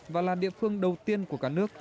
và là địa phương đầu tiên của cả nước